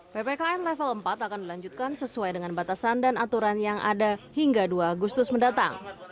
ppkm level empat akan dilanjutkan sesuai dengan batasan dan aturan yang ada hingga dua agustus mendatang